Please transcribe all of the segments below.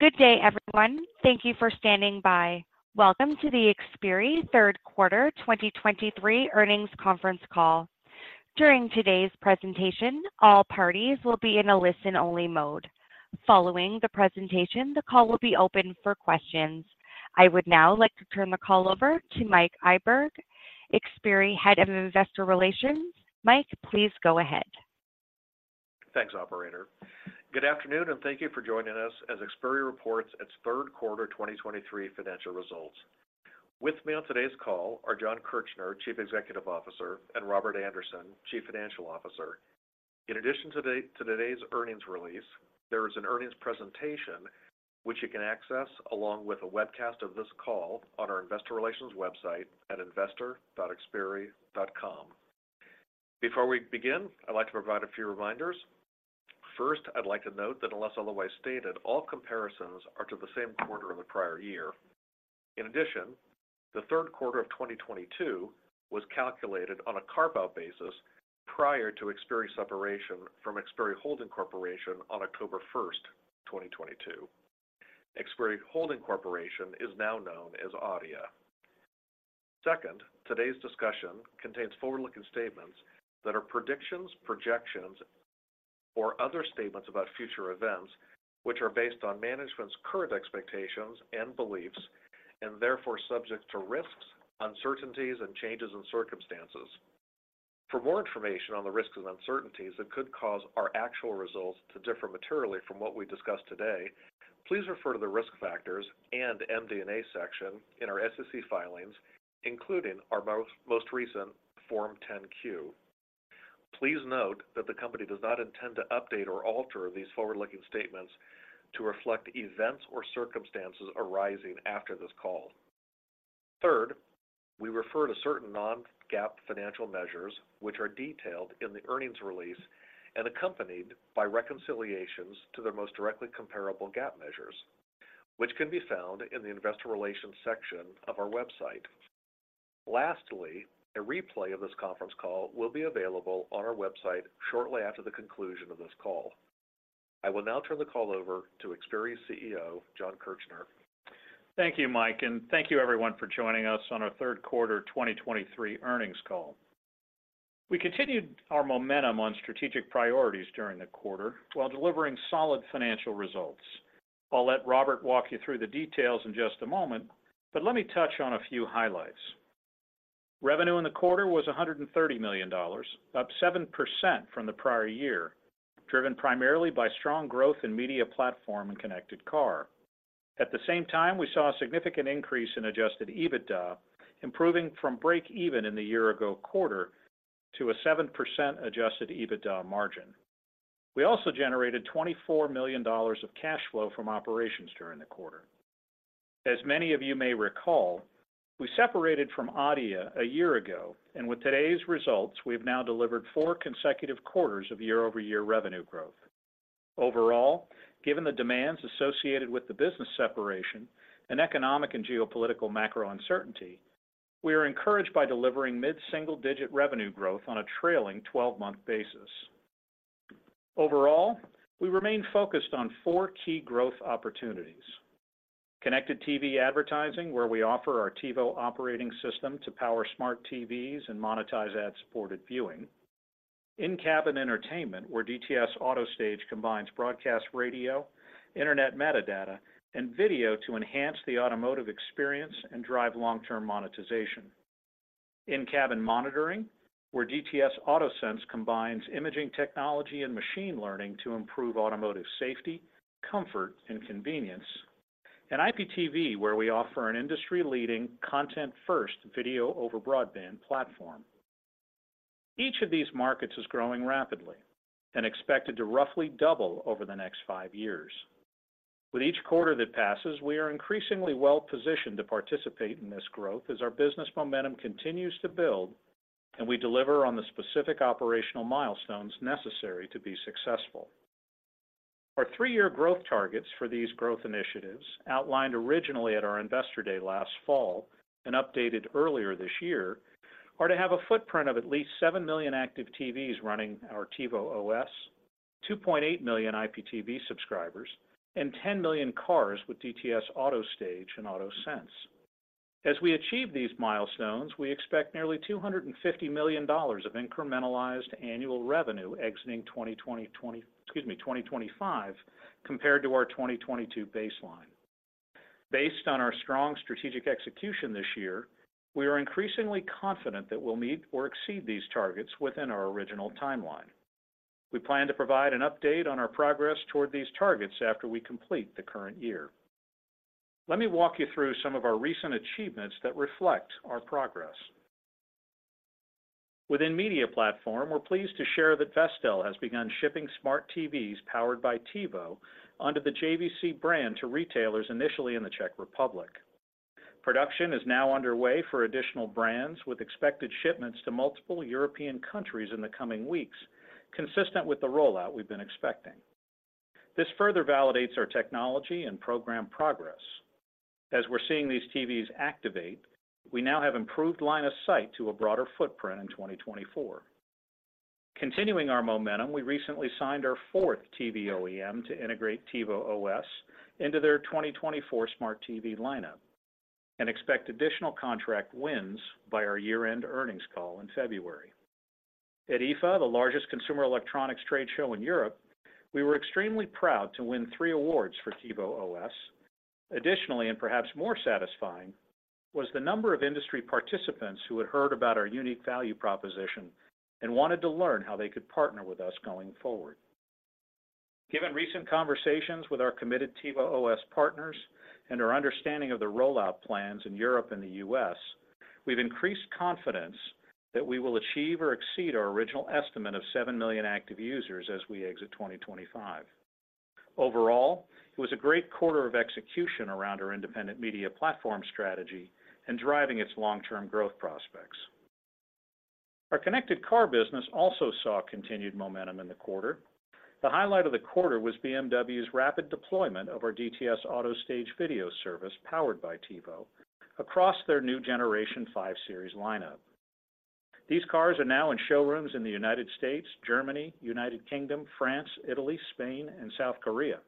Good day, everyone. Thank you for standing by. Welcome to the Xperi third quarter 2023 earnings conference call. During today's presentation, all parties will be in a listen-only mode. Following the presentation, the call will be open for questions. I would now like to turn the call over to Mike Iburg, Xperi Head of Investor Relations. Mike, please go ahead. Thanks, operator. Good afternoon, and thank you for joining us as Xperi reports its third quarter 2023 financial results. With me on today's call are Jon Kirchner, Chief Executive Officer, and Robert Andersen, Chief Financial Officer. In addition to today's earnings release, there is an earnings presentation which you can access, along with a webcast of this call on our investor relations website at investor.xperi.com. Before we begin, I'd like to provide a few reminders. First, I'd like to note that unless otherwise stated, all comparisons are to the same quarter of the prior year. In addition, the third quarter of 2022 was calculated on a carve-out basis prior to Xperi's separation from Xperi Holding Corporation on October 1, 2022. Xperi Holding Corporation is now known as Adeia. Second, today's discussion contains forward-looking statements that are predictions, projections, or other statements about future events, which are based on management's current expectations and beliefs, and therefore subject to risks, uncertainties, and changes in circumstances. For more information on the risks and uncertainties that could cause our actual results to differ materially from what we discuss today, please refer to the Risk Factors and MD&A section in our SEC filings, including our most recent Form 10-Q. Please note that the company does not intend to update or alter these forward-looking statements to reflect events or circumstances arising after this call. Third, we refer to certain non-GAAP financial measures, which are detailed in the earnings release and accompanied by reconciliations to their most directly comparable GAAP measures, which can be found in the Investor Relations section of our website. Lastly, a replay of this conference call will be available on our website shortly after the conclusion of this call. I will now turn the call over to Xperi's CEO, Jon Kirchner. Thank you, Mike, and thank you everyone for joining us on our third quarter 2023 earnings call. We continued our momentum on strategic priorities during the quarter while delivering solid financial results. I'll let Robert walk you through the details in just a moment, but let me touch on a few highlights. Revenue in the quarter was $130 million, up 7% from the prior year, driven primarily by strong growth in Media Platform and Connected Car. At the same time, we saw a significant increase in adjusted EBITDA, improving from break-even in the year-ago quarter to a 7% adjusted EBITDA margin. We also generated $24 million of cash flow from operations during the quarter. As many of you may recall, we separated from Adeia a year ago, and with today's results, we've now delivered four consecutive quarters of year-over-year revenue growth. Overall, given the demands associated with the business separation and economic and geopolitical macro uncertainty, we are encouraged by delivering mid-single-digit revenue growth on a trailing twelve-month basis. Overall, we remain focused on four key growth opportunities: connected TV advertising, where we offer our TiVo operating system to power smart TVs and monetize ad-supported viewing; in-cabin entertainment, where DTS AutoStage combines broadcast radio, internet metadata, and video to enhance the automotive experience and drive long-term monetization; in-cabin monitoring, where DTS AutoSense combines imaging technology and machine learning to improve automotive safety, comfort, and convenience; and IPTV, where we offer an industry-leading, content-first video-over-broadband platform. Each of these markets is growing rapidly and expected to roughly double over the next five years. With each quarter that passes, we are increasingly well positioned to participate in this growth as our business momentum continues to build, and we deliver on the specific operational milestones necessary to be successful. Our three-year growth targets for these growth initiatives, outlined originally at our Investor Day last fall and updated earlier this year, are to have a footprint of at least seven million active TVs running our TiVo OS, 2.8 million IPTV subscribers, and 10 million cars with DTS AutoStage and AutoSense. As we achieve these milestones, we expect nearly $250 million of incremental annual revenue exiting 2022 to 2025, compared to our 2022 baseline. Based on our strong strategic execution this year, we are increasingly confident that we'll meet or exceed these targets within our original timeline. We plan to provide an update on our progress toward these targets after we complete the current year. Let me walk you through some of our recent achievements that reflect our progress. Within Media Platform, we're pleased to share that Vestel has begun shipping smart TVs powered by TiVo under the JVC brand to retailers initially in the Czech Republic. Production is now underway for additional brands, with expected shipments to multiple European countries in the coming weeks, consistent with the rollout we've been expecting. This further validates our technology and program progress. As we're seeing these TVs activate, we now have improved line of sight to a broader footprint in 2024. Continuing our momentum, we recently signed our fourth TV OEM to integrate TiVo OS into their 2024 smart TV lineup, and expect additional contract wins by our year-end earnings call in February. At IFA, the largest Consumer Electronics trade show in Europe, we were extremely proud to win three awards for TiVo OS. Additionally, and perhaps more satisfying, was the number of industry participants who had heard about our unique value proposition and wanted to learn how they could partner with us going forward. Given recent conversations with our committed TiVo OS partners and our understanding of the rollout plans in Europe and the U.S., we've increased confidence that we will achieve or exceed our original estimate of seven million active users as we exit 2025. Overall, it was a great quarter of execution around our independent Media Platform strategy and driving its long-term growth prospects. Our Connected Car business also saw continued momentum in the quarter. The highlight of the quarter was BMW's rapid deployment of our DTS AutoStage video service, powered by TiVo, across generation 5 Series lineup. these cars are now in showrooms in the United States, Germany, United Kingdom, France, Italy, Spain, and South Korea.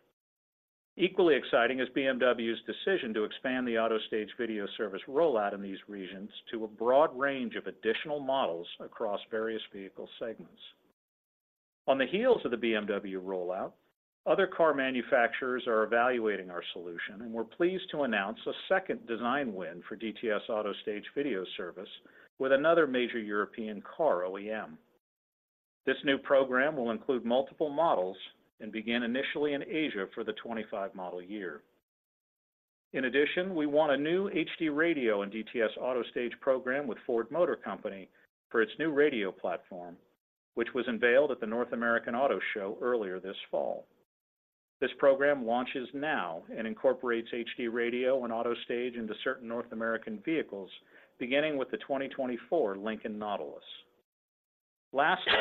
Equally exciting is BMW's decision to expand the AutoStage video service rollout in these regions to a broad range of additional models across various vehicle segments. On the heels of the BMW rollout, other car manufacturers are evaluating our solution, and we're pleased to announce a second design win for DTS AutoStage video service with another major European car OEM. This new program will include multiple models and begin initially in Asia for the 2025 model year. In addition, we won a new HD Radio and DTS AutoStage program with Ford Motor Company for its new radio platform, which was unveiled at the North American Auto Show earlier this fall. This program launches now and incorporates HD Radio and AutoStage into certain North American vehicles, beginning with the 2024 Lincoln Nautilus. Lastly,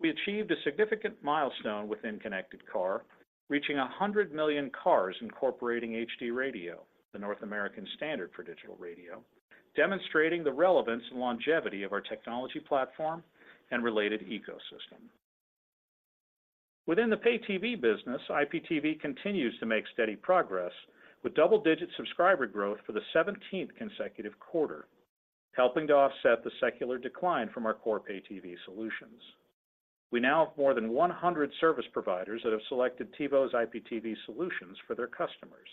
we achieved a significant milestone within Connected Car, reaching 100 million cars incorporating HD Radio, the North American standard for digital radio, demonstrating the relevance and longevity of our technology platform and related ecosystem. Within the Pay TV business, IPTV continues to make steady progress with double-digit subscriber growth for the seventeenth consecutive quarter, helping to offset the secular decline from our core Pay TV solutions. We now have more than 100 service providers that have selected TiVo's IPTV solutions for their customers.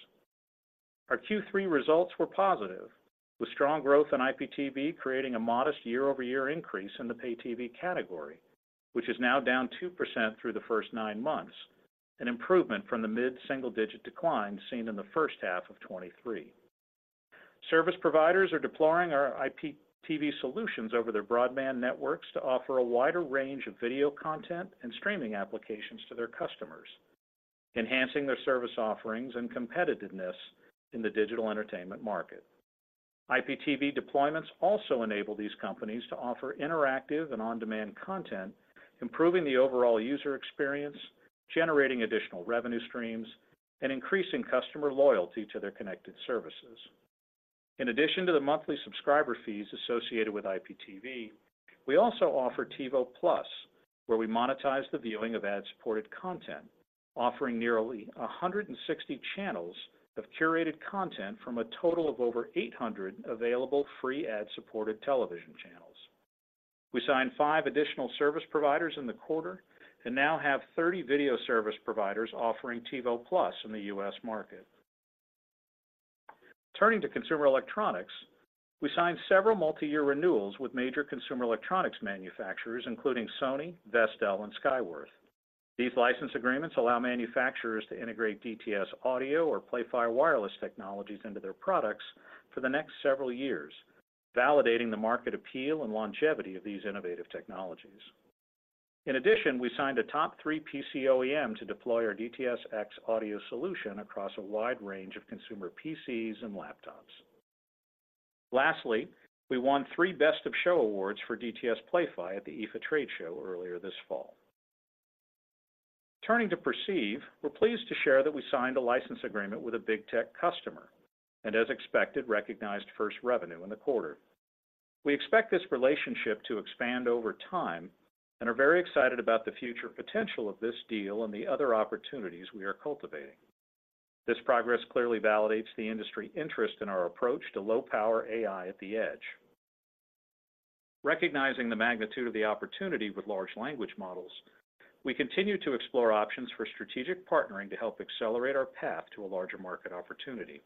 Our Q3 results were positive, with strong growth in IPTV creating a modest year-over-year increase in the Pay TV category, which is now down 2% through the first nine months, an improvement from the mid-single-digit decline seen in the first half of 2023. Service providers are deploying our IPTV solutions over their broadband networks to offer a wider range of video content and streaming applications to their customers, enhancing their service offerings and competitiveness in the digital entertainment market. IPTV deployments also enable these companies to offer interactive and on-demand content, improving the overall user experience, generating additional revenue streams, and increasing customer loyalty to their connected services. In addition to the monthly subscriber fees associated with IPTV, we also offer TiVo+, where we monetize the viewing of ad-supported content, offering nearly 160 channels of curated content from a total of over 800 available free ad-supported television channels. We signed 5 additional service providers in the quarter and now have 30 video service providers offering TiVo+ in the U.S. market. Turning to Consumer Electronics, we signed several multi-year renewals with major Consumer Electronics manufacturers, including Sony, Vestel, and Skyworth. These license agreements allow manufacturers to integrate DTS audio or Play-Fi wireless technologies into their products for the next several years, validating the market appeal and longevity of these innovative technologies. In addition, we signed a top three PC OEM to deploy our DTS:X audio solution across a wide range of consumer PCs and laptops. Lastly, we won three Best of Show awards for DTS Play-Fi at the IFA trade show earlier this fall. Turning to Perceive, we're pleased to share that we signed a license agreement with a big tech customer, and, as expected, recognized first revenue in the quarter. We expect this relationship to expand over time and are very excited about the future potential of this deal and the other opportunities we are cultivating. This progress clearly validates the industry interest in our approach to low-power AI at the edge. Recognizing the magnitude of the opportunity with large language models, we continue to explore options for strategic partnering to help accelerate our path to a larger market opportunity.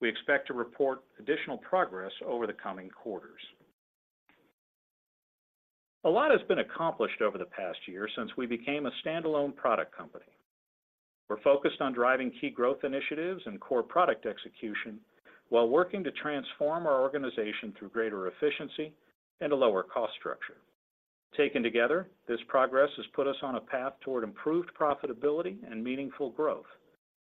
We expect to report additional progress over the coming quarters. A lot has been accomplished over the past year since we became a standalone product company. We're focused on driving key growth initiatives and core product execution while working to transform our organization through greater efficiency and a lower cost structure. Taken together, this progress has put us on a path toward improved profitability and meaningful growth,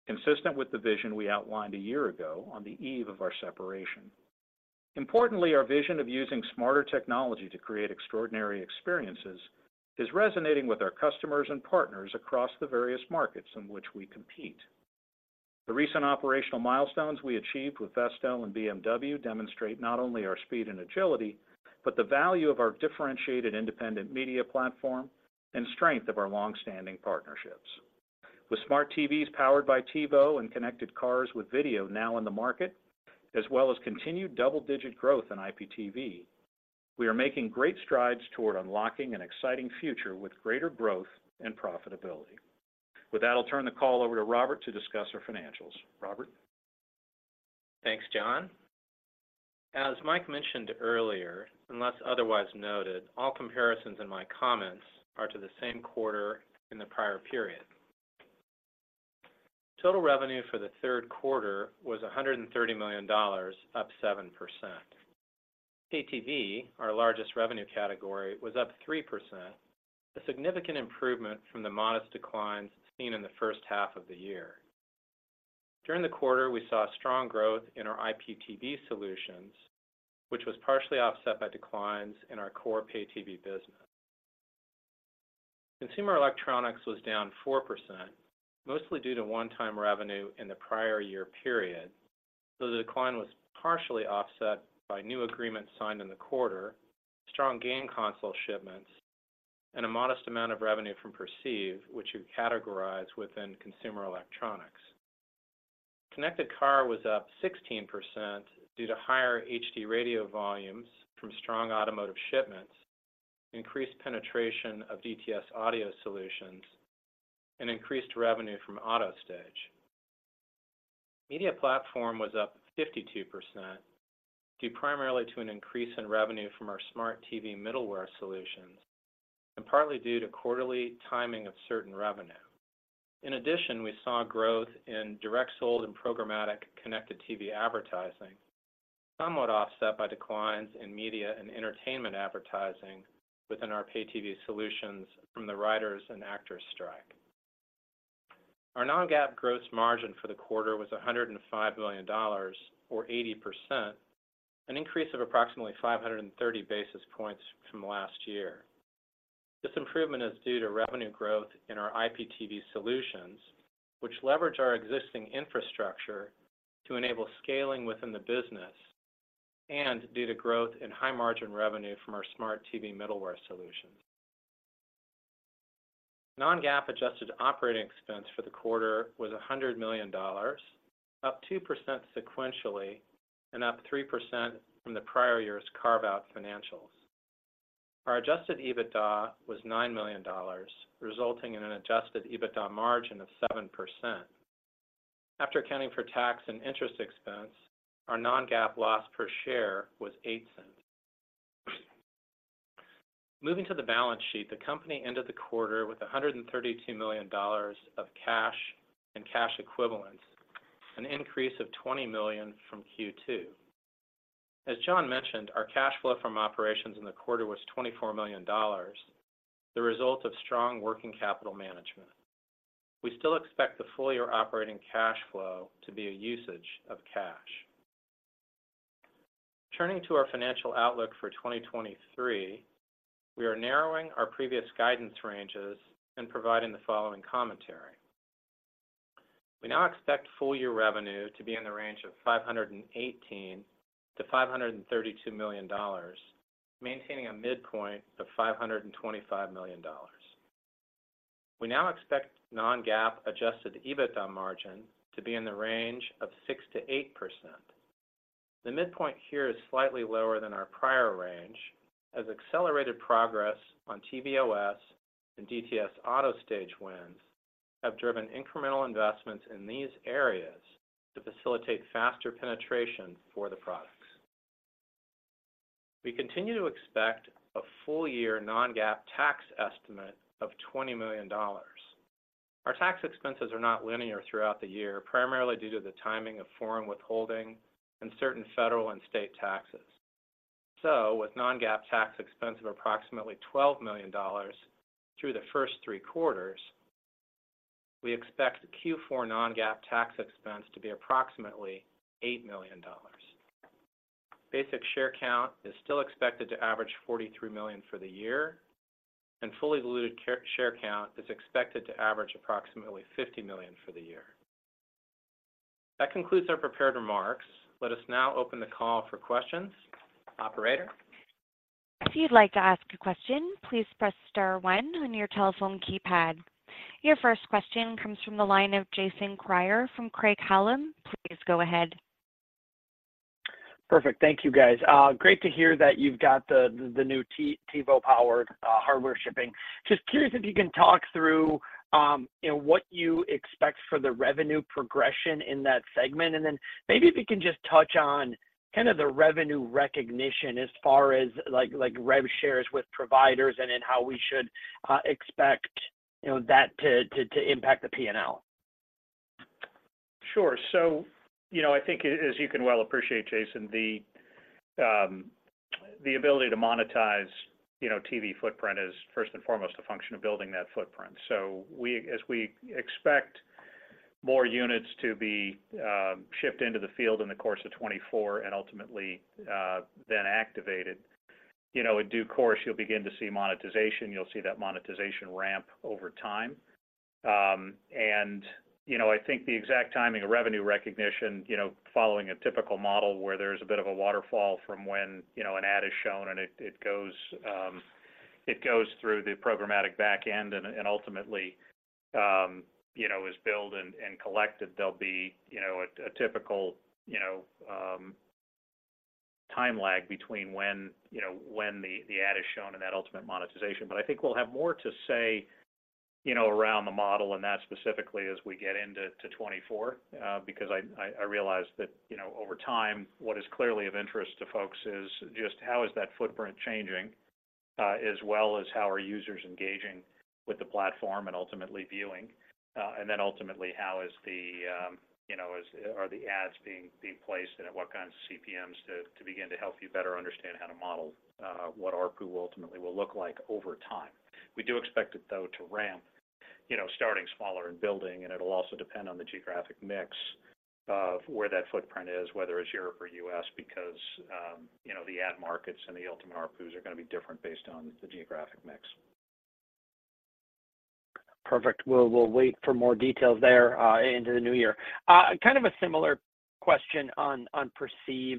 consistent with the vision we outlined a year ago on the eve of our separation. Importantly, our vision of using smarter technology to create extraordinary experiences is resonating with our customers and partners across the various markets in which we compete.... The recent operational milestones we achieved with Vestel and BMW demonstrate not only our speed and agility, but the value of our differentiated independent Media Platform and strength of our long-standing partnerships. With smart TVs powered by TiVo and Connected Cars with video now in the market, as well as continued double-digit growth in IPTV, we are making great strides toward unlocking an exciting future with greater growth and profitability. With that, I'll turn the call over to Robert to discuss our financials. Robert? Thanks, Jon. As Mike mentioned earlier, unless otherwise noted, all comparisons in my comments are to the same quarter in the prior period. Total revenue for the third quarter was $130 million, up 7%. Pay TV, our largest revenue category, was up 3%, a significant improvement from the modest declines seen in the first half of the year. During the quarter, we saw strong growth in our IPTV solutions, which was partially offset by declines in our core Pay TV business. Consumer Electronics was down 4%, mostly due to one-time revenue in the prior year period, though the decline was partially offset by new agreements signed in the quarter, strong game console shipments, and a modest amount of revenue from Perceive, which we categorize within Consumer Electronics. Connected Car was up 16% due to higher HD Radio volumes from strong automotive shipments, increased penetration of DTS audio solutions, and increased revenue from AutoStage. Media Platform was up 52%, due primarily to an increase in revenue from our smart TV middleware solutions and partly due to quarterly timing of certain revenue. In addition, we saw growth in direct sold and programmatic connected TV advertising, somewhat offset by declines in media and entertainment advertising within our Pay TV solutions from the writers and actors strike. Our non-GAAP gross margin for the quarter was $105 million, or 80%, an increase of approximately 530 basis points from last year. This improvement is due to revenue growth in our IPTV solutions, which leverage our existing infrastructure to enable scaling within the business and due to growth in high-margin revenue from our smart TV middleware solutions. Non-GAAP adjusted operating expense for the quarter was $100 million, up 2% sequentially and up 3% from the prior year's carve-out financials. Our adjusted EBITDA was $9 million, resulting in an adjusted EBITDA margin of 7%. After accounting for tax and interest expense, our non-GAAP loss per share was $0.08. Moving to the balance sheet, the company ended the quarter with $132 million of cash and cash equivalents, an increase of $20 million from Q2. As Jon mentioned, our cash flow from operations in the quarter was $24 million, the result of strong working capital management. We still expect the full-year operating cash flow to be a usage of cash. Turning to our financial outlook for 2023, we are narrowing our previous guidance ranges and providing the following commentary. We now expect full year revenue to be in the range of $518 million-$532 million, maintaining a midpoint of $525 million. We now expect non-GAAP adjusted EBITDA margin to be in the range of 6%-8%. The midpoint here is slightly lower than our prior range, as accelerated progress on TiVo OS and DTS AutoStage wins have driven incremental investments in these areas to facilitate faster penetration for the products. We continue to expect a full-year non-GAAP tax estimate of $20 million. Our tax expenses are not linear throughout the year, primarily due to the timing of foreign withholding and certain federal and state taxes. So with non-GAAP tax expense of approximately $12 million through the first three quarters, we expect Q4 non-GAAP tax expense to be approximately $8 million. Basic share count is still expected to average 43 million for the year, and fully diluted share count is expected to average approximately 50 million for the year. That concludes our prepared remarks. Let us now open the call for questions. Operator? If you'd like to ask a question, please press star one on your telephone keypad. Your first question comes from the line of Jason Kreyer from Craig-Hallum. Please go ahead. Perfect. Thank you, guys. Great to hear that you've got the new TiVo-powered hardware shipping. Just curious if you can talk through, you know, what you expect for the revenue progression in that segment, and then maybe if you can just touch on kind of the revenue recognition as far as like rev shares with providers and then how we should expect, you know, that to impact the PNL. Sure. So, you know, I think as you can well appreciate, Jason, the ability to monetize, you know, TV footprint is first and foremost a function of building that footprint. So as we expect more units to be shipped into the field in the course of 2024 and ultimately then activated, you know, in due course, you'll begin to see monetization. You'll see that monetization ramp over time. And, you know, I think the exact timing of revenue recognition, you know, following a typical model where there's a bit of a waterfall from when, you know, an ad is shown, and it goes through the programmatic back end and ultimately, you know, is billed and collected. There'll be, you know, a typical time lag between when, you know, when the ad is shown and that ultimate monetization. But I think we'll have more to say, you know, around the model, and that specifically as we get into 2024. Because I realize that, you know, over time, what is clearly of interest to folks is just how is that footprint changing, as well as how are users engaging with the platform and ultimately viewing? And then ultimately, how are the ads being placed, and at what kinds of CPMs to begin to help you better understand how to model, what ARPU ultimately will look like over time. We do expect it, though, to ramp, you know, starting smaller and building, and it'll also depend on the geographic mix of where that footprint is, whether it's Europe or U.S., because, you know, the ad markets and the ultimate ARPUs are going to be different based on the geographic mix. Perfect. We'll, we'll wait for more details there, into the new year. Kind of a similar question on Perceive.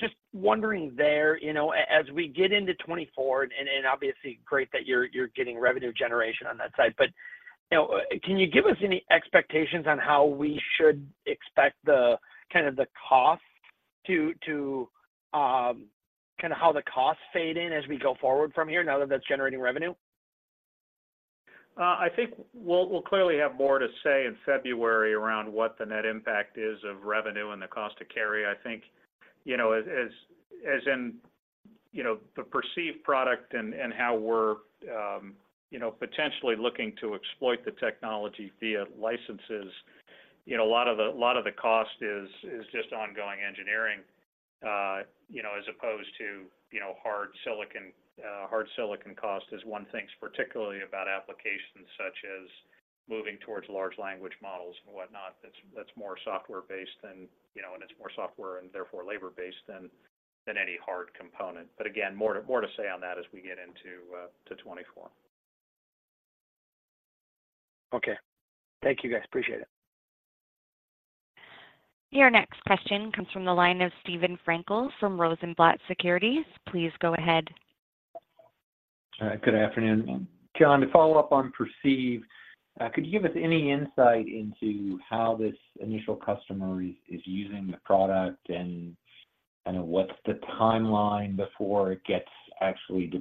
Just wondering there, you know, as we get into 2024, and obviously great that you're getting revenue generation on that side, but, you know, can you give us any expectations on how we should expect the kind of the cost to kind of how the costs fade in as we go forward from here, now that that's generating revenue? I think we'll clearly have more to say in February around what the net impact is of revenue and the cost to carry. I think, you know, as in, you know, the Perceive product and how we're, you know, potentially looking to exploit the technology via licenses, you know, a lot of the cost is just ongoing engineering, you know, as opposed to, you know, hard silicon. Hard silicon cost as one thinks particularly about applications such as moving towards large language models and whatnot. That's more software-based than, you know, and it's more software and therefore labor-based than any hard component. But again, more to say on that as we get into 2024. Okay. Thank you, guys. Appreciate it. Your next question comes from the line of Steven Frankel from Rosenblatt Securities. Please go ahead. Good afternoon. Jon, to follow up on Perceive, could you give us any insight into how this initial customer is using the product, and what's the timeline before it gets actually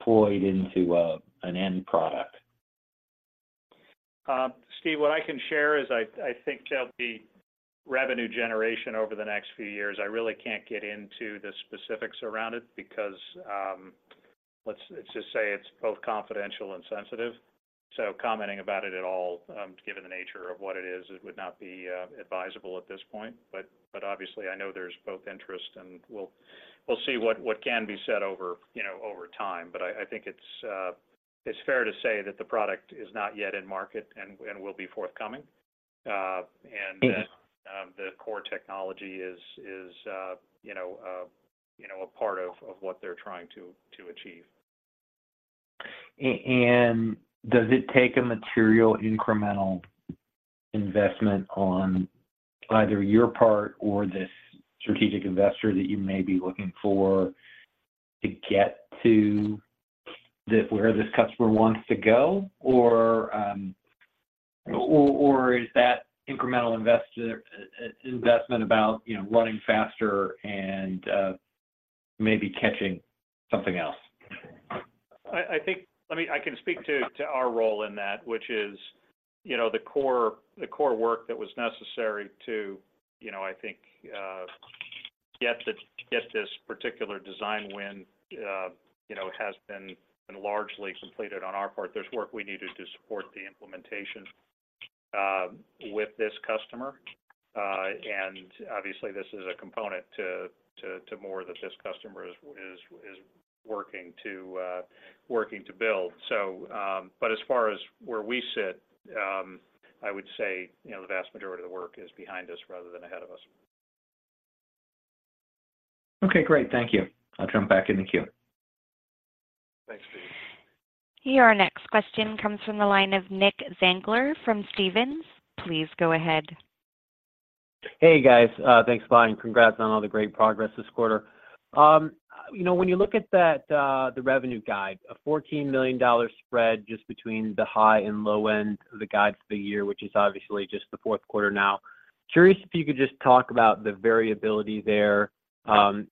deployed into an end product? Steve, what I can share is I think there'll be revenue generation over the next few years. I really can't get into the specifics around it because, let's just say it's both confidential and sensitive, so commenting about it at all, given the nature of what it is, it would not be advisable at this point. But obviously I know there's both interest, and we'll see what can be said over, you know, over time. But I think it's fair to say that the product is not yet in market and will be forthcoming. And that, Mm-hmm... the core technology is, you know, you know, a part of what they're trying to achieve. And does it take a material incremental investment on either your part or this strategic investor that you may be looking for to get to this--where this customer wants to go? Or is that incremental investment about, you know, running faster and maybe catching something else? I think... I mean, I can speak to our role in that, which is, you know, the core work that was necessary to, you know, I think, get this particular design win, you know, has been largely completed on our part. There's work we needed to support the implementation with this customer, and obviously, this is a component to more that this customer is working to build. So, but as far as where we sit, I would say, you know, the vast majority of the work is behind us rather than ahead of us. Okay, great. Thank you. I'll jump back in the queue. Thanks, Steve. Your next question comes from the line of Nick Zangler from Stephens. Please go ahead. Hey, guys. Thanks a lot, and congrats on all the great progress this quarter. You know, when you look at that, the revenue guide, a $14 million spread just between the high and low end of the guide for the year, which is obviously just the fourth quarter now. Curious if you could just talk about the variability there,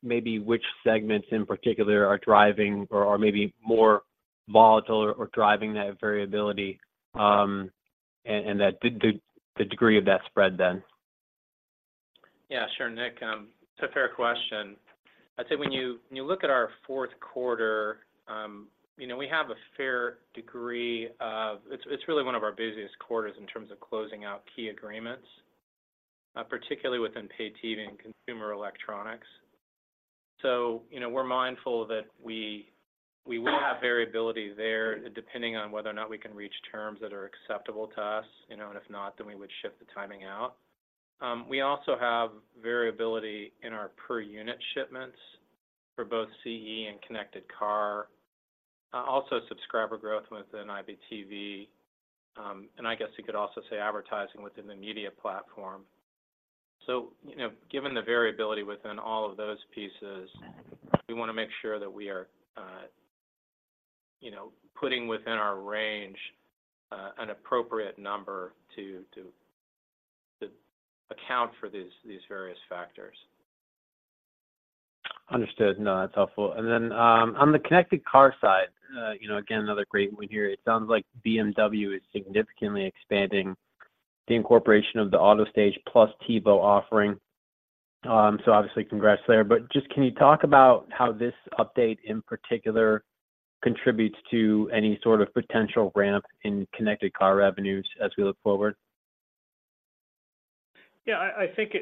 maybe which segments in particular are driving or are maybe more volatile or driving that variability, and the degree of that spread then? Yeah, sure, Nick, it's a fair question. I'd say when you look at our fourth quarter, you know, it's really one of our busiest quarters in terms of closing out key agreements, particularly within Pay TV and Consumer Electronics. So, you know, we're mindful that we,... we will have variability there, depending on whether or not we can reach terms that are acceptable to us, you know, and if not, then we would shift the timing out. We also have variability in our per unit shipments for both CE and Connected Car, also subscriber growth within IPTV, and I guess you could also say advertising within the Media Platform. So, you know, given the variability within all of those pieces, we want to make sure that we are, you know, putting within our range an appropriate number to account for these various factors. Understood. No, that's helpful. And then, on the Connected Car side, you know, again, another great win here. It sounds like BMW is significantly expanding the incorporation of the AutoStage plus TiVo offering. So obviously, congrats there, but just can you talk about how this update, in particular, contributes to any sort of potential ramp in Connected Car revenues as we look forward? Yeah, I think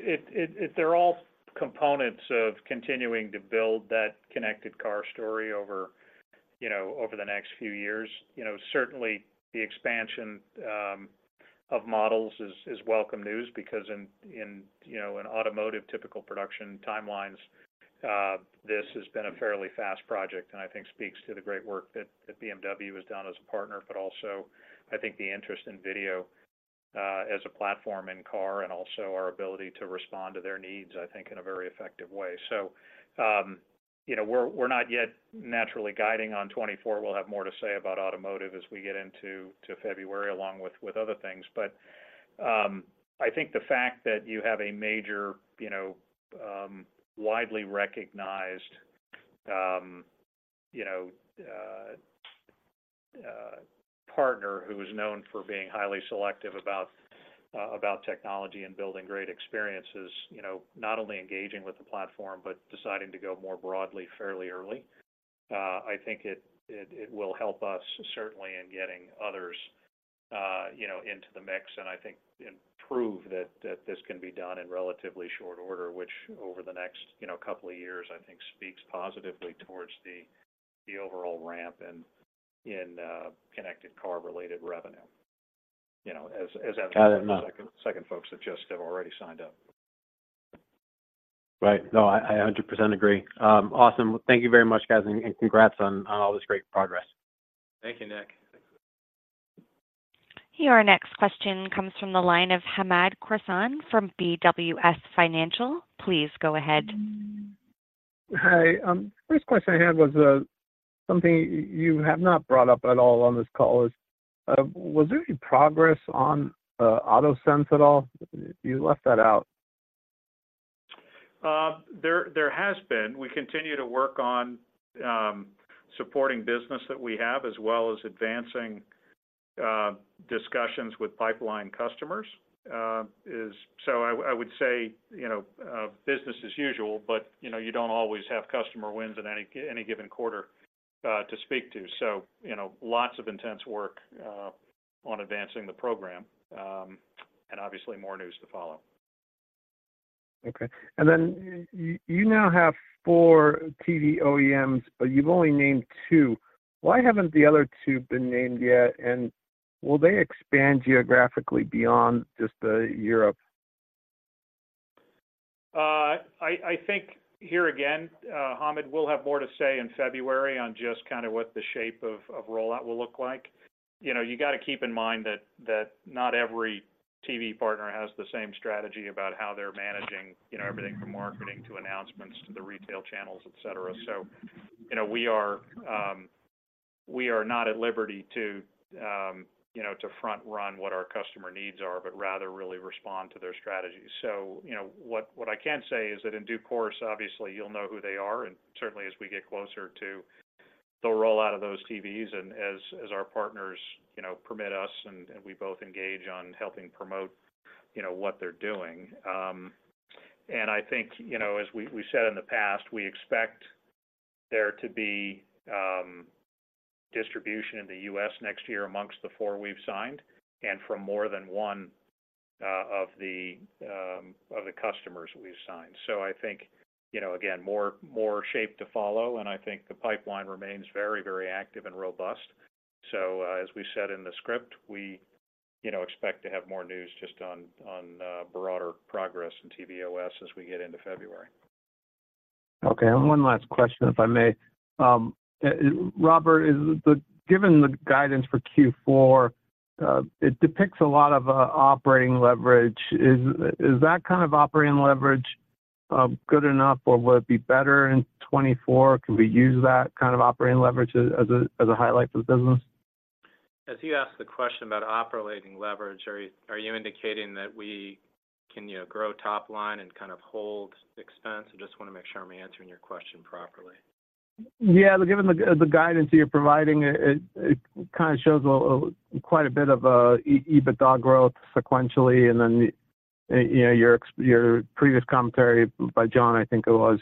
they're all components of continuing to build that Connected Car story over, you know, over the next few years. You know, certainly, the expansion of models is welcome news because in you know, in automotive typical production timelines, this has been a fairly fast project, and I think speaks to the great work that BMW has done as a partner. But also, I think the interest in video as a platform in car and also our ability to respond to their needs, I think, in a very effective way. So, you know, we're not yet naturally guiding on 2024. We'll have more to say about automotive as we get into February, along with other things. But, I think the fact that you have a major, you know, widely recognized, you know, partner who is known for being highly selective about about technology and building great experiences, you know, not only engaging with the platform but deciding to go more broadly, fairly early, I think it will help us certainly in getting others, you know, into the mix, and I think, and prove that this can be done in relatively short order. Which over the next, you know, couple of years, I think speaks positively towards the overall ramp in Connected Car-related revenue. You know, as, as- Got it. Second, folks have just already signed up. Right. No, I 100% agree. Awesome. Thank you very much, guys, and congrats on all this great progress. Thank you, Nick. Your next question comes from the line of Hamed Khorsand from BWS Financial. Please go ahead. Hi, first question I had was, something you have not brought up at all on this call is, was there any progress on AutoSense at all? You left that out. There has been. We continue to work on supporting business that we have, as well as advancing discussions with pipeline customers. So I would say, you know, business as usual, but, you know, you don't always have customer wins in any given quarter to speak to. So, you know, lots of intense work on advancing the program, and obviously more news to follow. Okay. And then you now have four TV OEMs, but you've only named two. Why haven't the other two been named yet? And will they expand geographically beyond just Europe? I think here again, Hamed, we'll have more to say in February on just kind of what the shape of rollout will look like. You know, you got to keep in mind that not every TV partner has the same strategy about how they're managing, you know, everything from marketing to announcements to the retail channels, et cetera. So, you know, we are not at liberty to, you know, to front run what our customer needs are, but rather really respond to their strategies. So, you know, what I can say is that in due course, obviously, you'll know who they are, and certainly as we get closer to the rollout of those TVs and as our partners, you know, permit us, and we both engage on helping promote, you know, what they're doing. And I think, you know, as we said in the past, we expect there to be distribution in the U.S. next year among the four we've signed, and from more than one of the customers we've signed. So I think, you know, again, more shape to follow, and I think the pipeline remains very, very active and robust. So, as we said in the script, we, you know, expect to have more news just on broader progress in TiVo OS as we get into February. Okay, and one last question, if I may. Robert, given the guidance for Q4, it depicts a lot of operating leverage. Is that kind of operating leverage good enough, or will it be better in 2024? Can we use that kind of operating leverage as a highlight for the business? As you asked the question about operating leverage, are you, are you indicating that we can, you know, grow top line and kind of hold expense? I just want to make sure I'm answering your question properly. Yeah, given the guidance you're providing, it kind of shows quite a bit of EBITDA growth sequentially, and then, you know, your previous commentary by Jon, I think it was,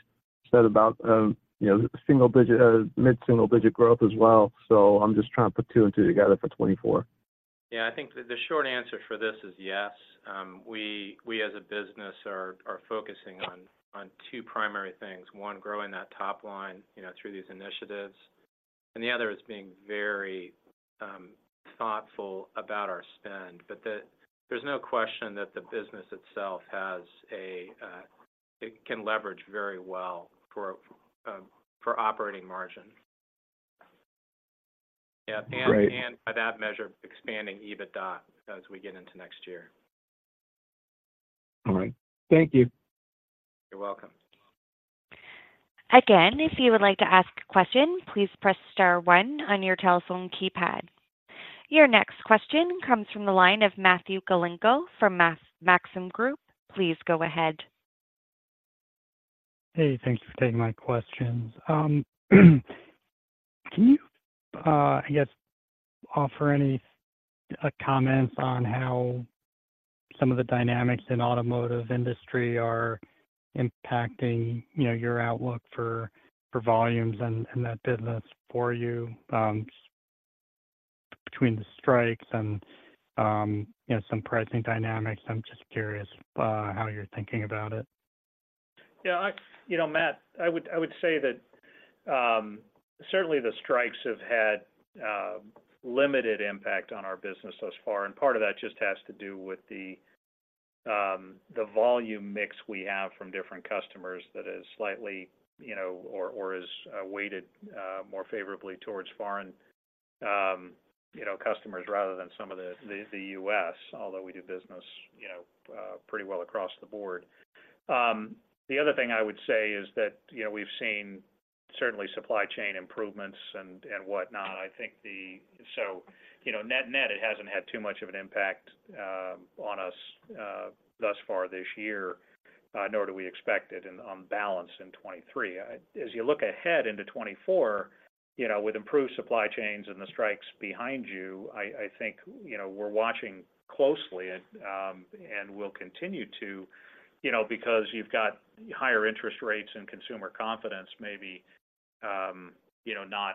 said about, you know, single digit, mid-single digit growth as well. So I'm just trying to put two and two together for 2024. Yeah, I think the short answer for this is yes. We, as a business, are focusing on two primary things: one, growing that top line, you know, through these initiatives, and the other is being very thoughtful about our spend. But there's no question that the business itself has a it can leverage very well for operating margin. Yeah. Great. By that measure, expanding EBITDA as we get into next year. All right. Thank you! You're welcome. Again, if you would like to ask a question, please press star one on your telephone keypad. Your next question comes from the line of Matthew Galinko from Maxim Group. Please go ahead. Hey, thanks for taking my questions. Can you, I guess, offer any comments on how some of the dynamics in automotive industry are impacting, you know, your outlook for, for volumes and, and that business for you? Between the strikes and, you know, some pricing dynamics. I'm just curious, how you're thinking about it. Yeah, you know, Matt, I would say that certainly the strikes have had limited impact on our business thus far, and part of that just has to do with the volume mix we have from different customers that is slightly, you know, or is weighted more favorably towards foreign, you know, customers rather than some of the U.S., although we do business, you know, pretty well across the board. The other thing I would say is that, you know, we've seen certainly supply chain improvements and whatnot. So, you know, net net, it hasn't had too much of an impact on us thus far this year, nor do we expect it, on balance, in 2023. As you look ahead into 2024, you know, with improved supply chains and the strikes behind you, I think, you know, we're watching closely, and we'll continue to, you know, because you've got higher interest rates and consumer confidence maybe, you know,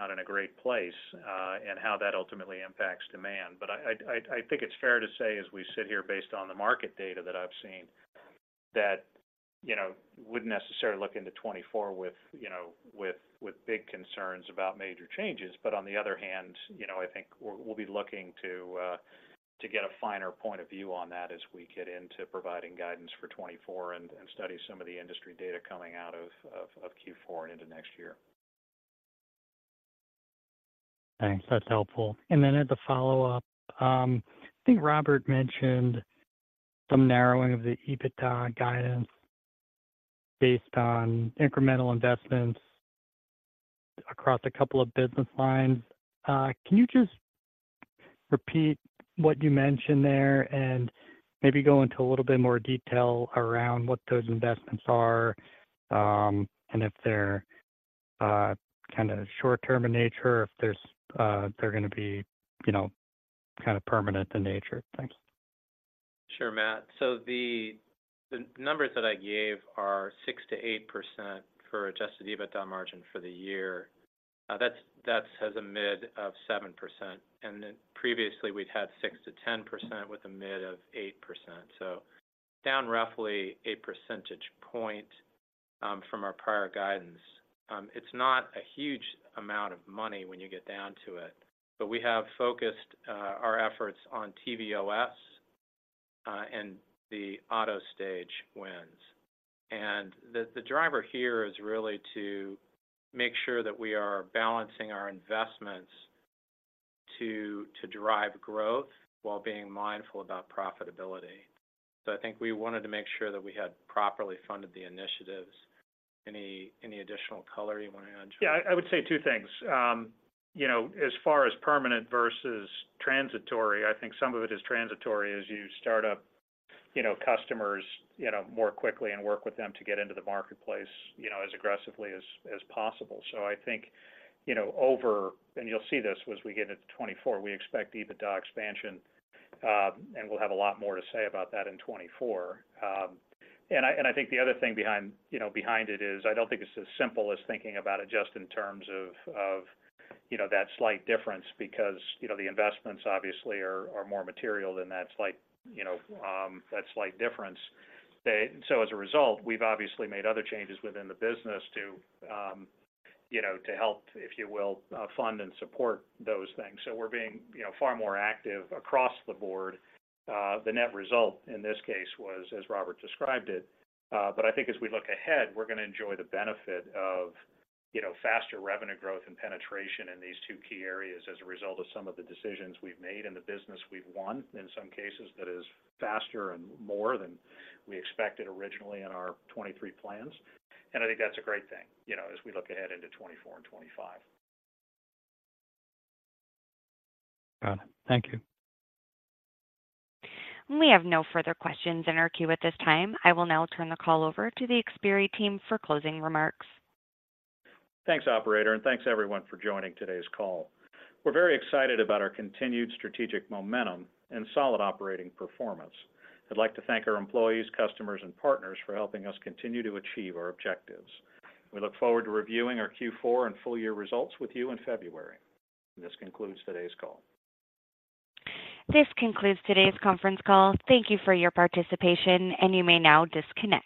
not in a great place, and how that ultimately impacts demand. But I think it's fair to say, as we sit here, based on the market data that I've seen, that, you know, wouldn't necessarily look into 2024 with big concerns about major changes. On the other hand, you know, I think we'll be looking to get a finer point of view on that as we get into providing guidance for 2024 and study some of the industry data coming out of Q4 and into next year. Thanks. That's helpful. And then as a follow-up, I think Robert mentioned some narrowing of the EBITDA guidance based on incremental investments across a couple of business lines. Can you just repeat what you mentioned there and maybe go into a little bit more detail around what those investments are, and if they're kinda short term in nature, or if they're gonna be, you know, kind of permanent in nature? Thanks. Sure, Matt. So the numbers that I gave are 6%-8% for Adjusted EBITDA margin for the year. That's, that has a mid of 7%, and then previously, we'd had 6%-10% with a mid of 8%. So down roughly a percentage point from our prior guidance. It's not a huge amount of money when you get down to it, but we have focused our efforts on TiVo OS and the AutoStage wins. And the driver here is really to make sure that we are balancing our investments to drive growth while being mindful about profitability. So I think we wanted to make sure that we had properly funded the initiatives. Any additional color you want to add, Jon? Yeah, I would say two things. You know, as far as permanent versus transitory, I think some of it is transitory as you start up, you know, customers, you know, more quickly and work with them to get into the marketplace, you know, as aggressively as possible. So I think, you know, over... And you'll see this as we get into 2024, we expect EBITDA expansion, and we'll have a lot more to say about that in 2024. And I think the other thing behind it is I don't think it's as simple as thinking about it just in terms of that slight difference, because, you know, the investments obviously are more material than that slight difference. So as a result, we've obviously made other changes within the business to, you know, to help, if you will, fund and support those things. So we're being, you know, far more active across the board. The net result in this case was, as Robert described it, but I think as we look ahead, we're gonna enjoy the benefit of, you know, faster revenue growth and penetration in these two key areas as a result of some of the decisions we've made and the business we've won. In some cases, that is faster and more than we expected originally in our 2023 plans, and I think that's a great thing, you know, as we look ahead into 2024 and 2025. Got it. Thank you. We have no further questions in our queue at this time. I will now turn the call over to the Xperi team for closing remarks. Thanks, operator, and thanks everyone for joining today's call. We're very excited about our continued strategic momentum and solid operating performance. I'd like to thank our employees, customers, and partners for helping us continue to achieve our objectives. We look forward to reviewing our Q4 and full year results with you in February. This concludes today's call. This concludes today's conference call. Thank you for your participation, and you may now disconnect.